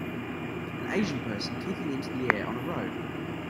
An Asian person kicking into the air on a road.